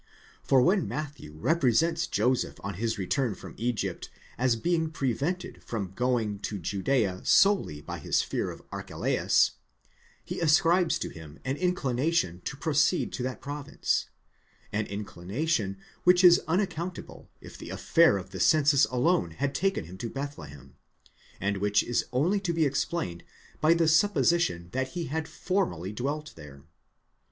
For when Matthew represents Joseph on his return from Egypt as being prevented from going to Judea solely by his fear of Archelaus, he ascribes to him an inclina 1 Olshausen, bib]. Comm. 1. 5. 142f. 186 PART I. CHAPTER IV. § 37. tion to proceed to that province—an inclination which is unaccountable if the affair of the census alone had taken him to Bethlehem, and which is only to be explained by the supposition that he had formerly dwelt there.